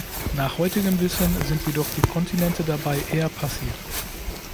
Nach heutigem Wissen sind jedoch die Kontinente dabei eher passiv.